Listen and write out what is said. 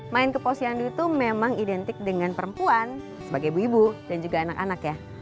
main ke posyandu itu memang identik dengan perempuan sebagai ibu ibu dan juga anak anak ya